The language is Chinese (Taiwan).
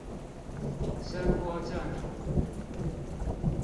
聲波振幅